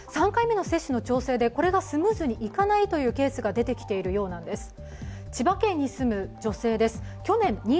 ３回目の接種の調整でこれがスムーズにいかないというケースが出てきているようなんです。